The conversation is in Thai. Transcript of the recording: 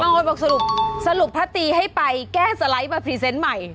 บางคนบอกสรุปสรุปพระตีให้ไปแก้สไลด์มาพรีเซนต์ใหม่